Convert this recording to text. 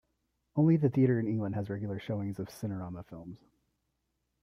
Only the theater in England has regular showings of Cinerama films.